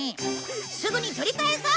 すぐに取り返そう！